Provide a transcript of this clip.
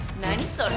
それ。